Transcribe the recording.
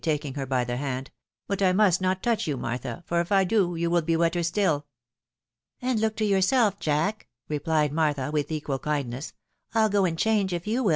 taking her by the hand. " But I must not touch you, Martha, for if I do you will be wetter still." " And look to yourself, Jack," replied Martha, with equal kindness ;" I'll go and change, if you wiH."